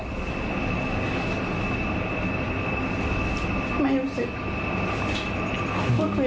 อันดับที่สุดท้าย